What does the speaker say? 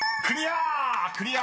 ［クリア。